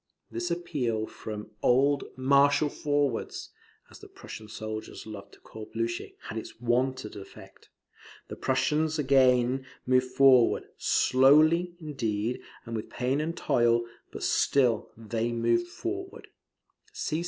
This appeal from old "Marshal Forwards," as the Prussian soldiers loved to call Blucher, had its wonted affect. The Prussians again moved forward, slowly, indeed, and with pain and toil; but still they moved forward.